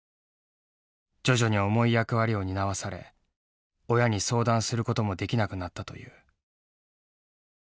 徐々に重い役割を担わされ親に相談することもできなくなったという。